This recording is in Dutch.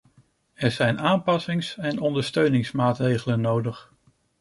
Er zijn aanpassings- en ondersteuningsmaatregelen nodig.